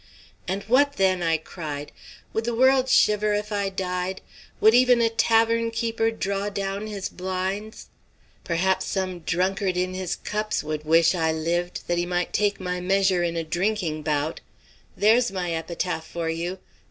"And what then?" I cried. "Would the world shiver if I died? Would even a tavern keeper draw down his blinds? Perhaps some drunkard in his cups would wish I lived, that he might take my measure in a drinking bout. There's my epitaph for you!